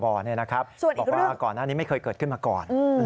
บอกว่าก่อนหน้านี้ไม่เคยเกิดขึ้นมาก่อน